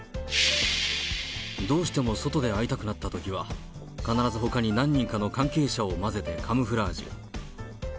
どうしても外で会いたくなったときは、必ずほかに何人かの関係者を混ぜてカムフラージュ。